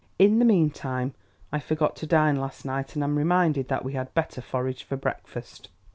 In the meantime, I forgot to dine last night, and am reminded that we had better forage for breakfast."